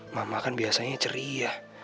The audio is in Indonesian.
mama kan biasanya ceria